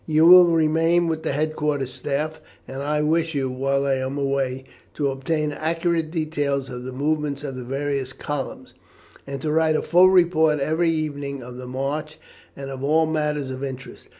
You will remain with the headquarter staff, and I wish you, while I am away, to obtain accurate details of the movements of the various columns, and to write a full report every evening of the march and of all matters of interest.